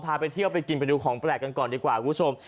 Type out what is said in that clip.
ไปเที่ยวไปกินไปดูของแปลกกันก่อนดีกว่าคุณผู้ชม